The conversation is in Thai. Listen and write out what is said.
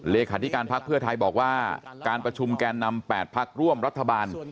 เลขาธิการพักเพื่อไทยบอกว่าการประชุมแกนนำ๘พักร่วมรัฐบาล